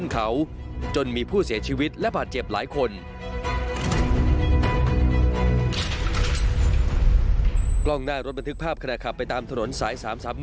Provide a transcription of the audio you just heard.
กล้องหน้ารถบันทึกภาพขณะขับไปตามถนนสาย๓๓๑